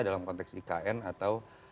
dalam konteks ikn atau